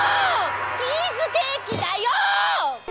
チーズケーキだよ！